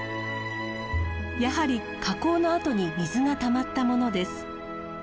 やはり火口の跡に水がたまったものです。